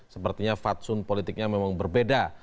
sepertinya fatsun politiknya memang berbeda